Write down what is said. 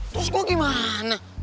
terus gue gimana